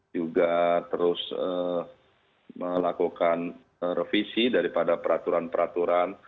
juga terus melakukan revisi daripada peraturan peraturan